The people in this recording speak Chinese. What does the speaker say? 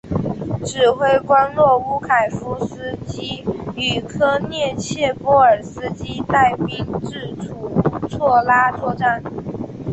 指挥官若乌凯夫斯基与科涅茨波尔斯基带兵至楚措拉作战。